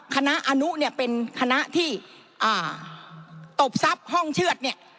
คณะอนุเนี่ยเป็นคณะที่ตบทรัพย์ห้องเชือดเนี่ย